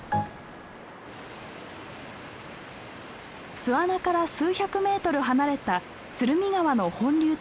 巣穴から数百メートル離れた鶴見川の本流と支流の合流点。